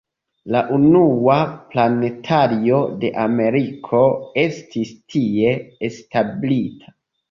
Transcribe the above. La unua planetario de Ameriko estis tie establita.